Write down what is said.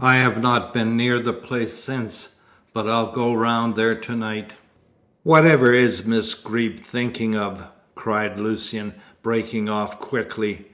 I have not been near the place since, but I'll go round there to night. Whatever is Miss Greeb thinking of?" cried Lucian, breaking off quickly.